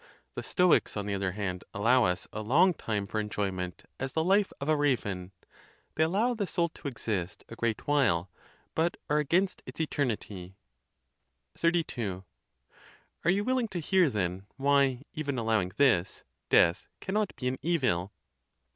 The Stoics, on the other hand, allow us as long a time for enjoyment as the life of a raven; they allow the soul to exist a great while, but are against its eternity. XXXII. Are you willing to hear then why, even allow ing this, death cannot be an evil.